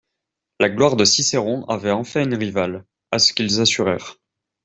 La gloire de Cicéron avait enfin une rivale, à ce qu'ils assurèrent.